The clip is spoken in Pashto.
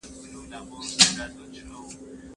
زه یاغي له نمرودانو له ایمان سره همزولی